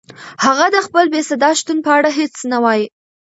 هغه د خپل بېصدا شتون په اړه هیڅ نه وایي.